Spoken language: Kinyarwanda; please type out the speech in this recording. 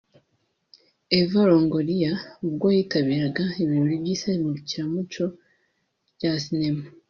Eva Longoria ubwo yitabiraga ibirori by’iserukiramuco rya sinema